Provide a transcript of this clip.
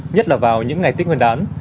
nhất là vào những ngày tết nguyên đán